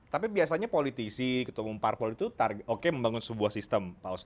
tapi biasanya politisi ketua umpar politi itu oke membangun sebuah sistem pak ustaz